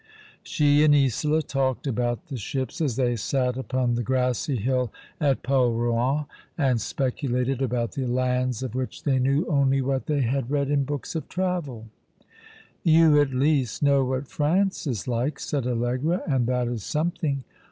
She and Isola talked about the ships as they sat upon the grassy hill at Polruan, and speculated about the lands of which they knew only what they had read in books of travel. " You, at least, know what France is like/' said Allegra, " and that is something."